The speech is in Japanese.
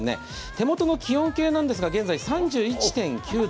手元の気温計なんですが現在３１度。